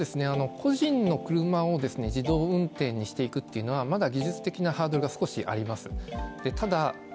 個人の車を自動運転にしていくっていうのはまだ技術的なハードルが少しあります